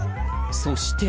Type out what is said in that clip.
そして。